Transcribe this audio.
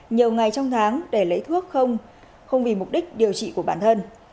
nhiều ngày trong tháng để lấy thuốc không vì mục đích điều trị của bản thân